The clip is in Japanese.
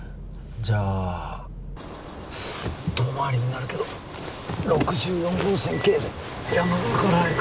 じゃあ遠回りになるけど６４号線経由で山側から入るか